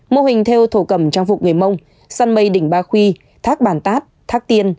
mô hình theo thổ cầm trang phục người mông săn mây đỉnh ba khuy thác bản tát thác tiên